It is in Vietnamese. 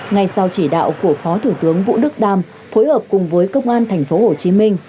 ngay sau chỉ đạo của phó thủ tướng vũ đức đam phối hợp cùng với công an tp hcm